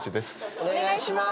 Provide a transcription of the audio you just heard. お願いします。